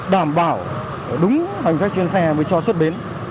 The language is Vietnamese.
đảm bảo đúng hành khách trên xe mới cho xuất bến